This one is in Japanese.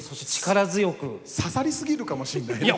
刺さり過ぎるかもしれないね。